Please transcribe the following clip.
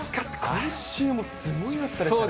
来週もすごい暑さでしてね。